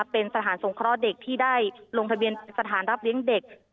เป็นสถานสงเคราะห์เด็กที่ได้ลงทะเบียนสถานรับเลี้ยงเด็ก